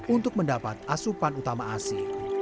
untuk mendapat asupan utama asi